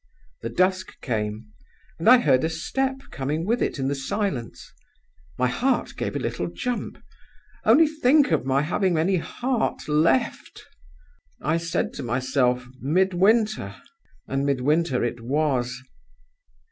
The dusk came, and I heard a step coming with it in the silence. My heart gave a little jump only think of my having any heart left! I said to myself: 'Midwinter!' And Midwinter it was.